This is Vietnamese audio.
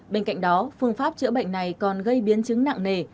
bên cạnh đó phương pháp chữa bệnh này còn gây biến chứng nặng nề